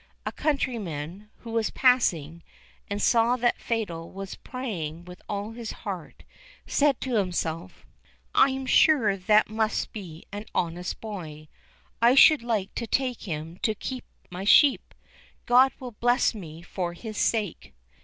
A countryman, who was passing, and saw that Fatal was praying with all his heart, said to himself, "I am sure that must be an honest boy; I should like to take him to keep my sheep; God will bless me for his sake."